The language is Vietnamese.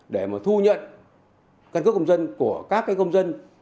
để mà thu nhận căn cước công dân của các công dân